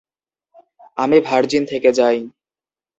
আমি ভার্জিন থেকে যাই।